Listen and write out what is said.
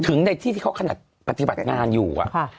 ถึงในที่ที่เขาขนาดปฏิบัติงานอยู่